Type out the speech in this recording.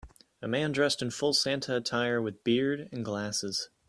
A man dressed in full Santa attire with beard and glasses